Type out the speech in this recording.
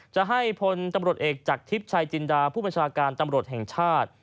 จะให้พลตำรวจเอกจากทิพย์ชายจินดาผู้ประชาการตำรวจแห่งชาติ